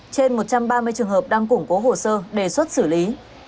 trên một trăm ba mươi trường hợp đang củng cố hồ sơ đề xuất xử lý